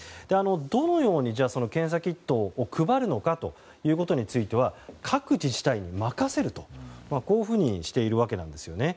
どのように、検査キットを配るのかということについては各自治体に任せるとしているわけなんですね。